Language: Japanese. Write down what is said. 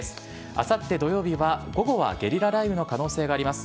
あさって土曜日は、午後はゲリラ雷雨の可能性があります。